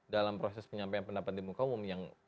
dalam proses penyampaian pendapat di muka umum yang